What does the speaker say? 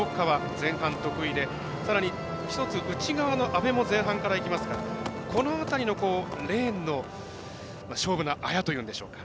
前半、得意で、一つ内側の安部も前半からいきますからこの辺りのレーンの勝負のあやというんでしょうか。